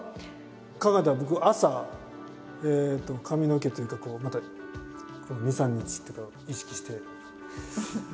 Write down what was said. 考えたら僕朝えっと髪の毛というかまた２３日っていうか意識して。